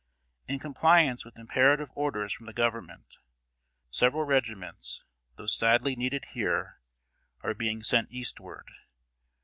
In compliance with imperative orders from the Government, several regiments, though sadly needed here, are being sent eastward.